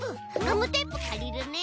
ガムテープかりるね。